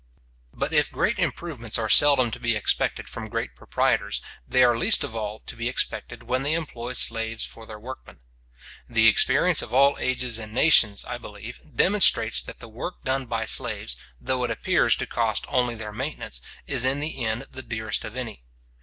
But if great improvements are seldom to be expected from great proprietors, they are least of all to be expected when they employ slaves for their workmen. The experience of all ages and nations, I believe, demonstrates that the work done by slaves, though it appears to cost only their maintenance, is in the end the dearest of any.